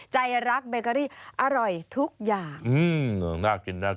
ใจรักไปการ์รี่อร่อยทุกอย่างอื้อน่ากินอร่อย